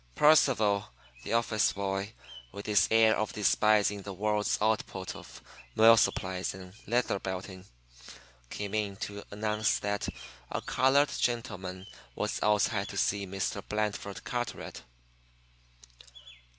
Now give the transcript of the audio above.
Percival, the office boy, with his air of despising the world's output of mill supplies and leather belting, came in to announce that a colored gentleman was outside to see Mr. Blandford Carteret.